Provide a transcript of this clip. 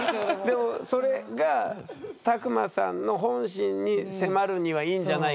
でもそれが卓馬さんの本心に迫るにはいいんじゃないかってことですよね？